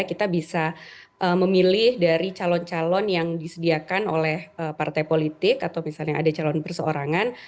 kita bisa memilih dari calon calon yang disediakan oleh partai politik atau misalnya ada calon perseorangan